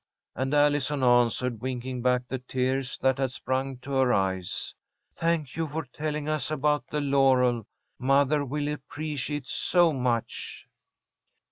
And Allison answered, winking back the tears that had sprung to her eyes: "Thank you for telling us about the laurel. Mother will appreciate it so much."